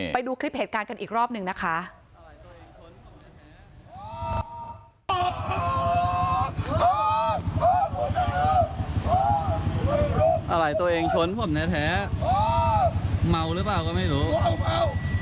ไปดูคลิปเหตุการณ์กันอีกรอบหนึ่งนะคะ